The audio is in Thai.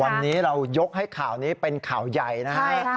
วันนี้เรายกให้ข่าวนี้เป็นข่าวใหญ่นะฮะ